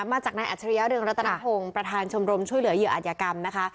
มาจากนายอัจฉริยะเรืองรัตนพงศ์ประธานชมรมช่วยเหลือเหยื่ออัธยกรรมนะคะ